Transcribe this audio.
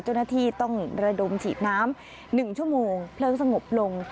เจ้าหน้าที่ต้องระดมฉีดน้ำ๑ชั่วโมงเพลิงสงบลง